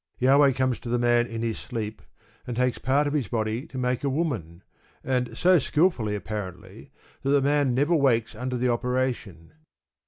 Jahweh comes to the man in his sleep, and takes part of his body to make a woman, and so skilfully, apparently, that the man never wakes under the operation.